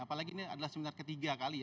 apalagi ini adalah seminar ketiga kali ya